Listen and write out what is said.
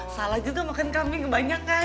salah juga makan kambing kebanyakan